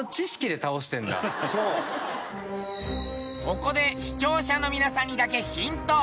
ここで視聴者の皆さんにだけヒント。